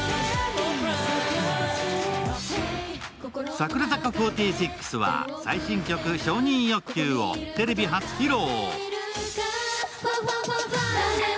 櫻坂４６は最新曲「承認欲求」をテレビ初披露。